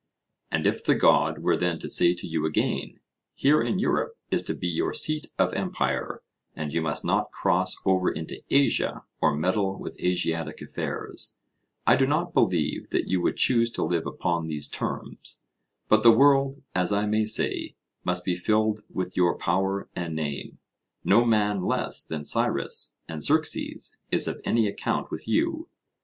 And if the God were then to say to you again: Here in Europe is to be your seat of empire, and you must not cross over into Asia or meddle with Asiatic affairs, I do not believe that you would choose to live upon these terms; but the world, as I may say, must be filled with your power and name no man less than Cyrus and Xerxes is of any account with you.